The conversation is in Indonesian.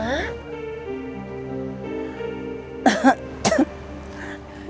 mudah mudahan mereka masih kangen